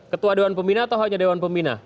ketua dewan pembina atau hanya dewan pembina